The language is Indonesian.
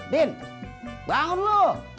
din bangun dulu